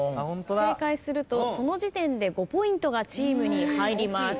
正解するとその時点で５ポイントがチームに入ります。